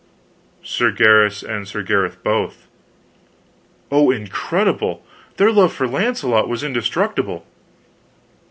"Sir Gaheris, and Sir Gareth both!" "Oh, incredible! Their love for Launcelot was indestructible."